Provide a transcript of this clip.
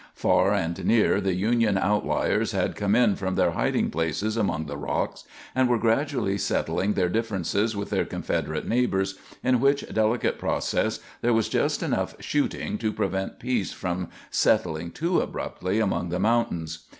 Far and near the Union outliers had come in from their hiding places among the rocks, and were gradually settling their differences with their Confederate neighbors, in which delicate process there was just enough shooting to prevent peace from settling too abruptly among the mountains.